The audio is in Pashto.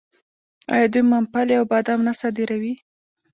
آیا دوی ممپلی او بادام نه صادروي؟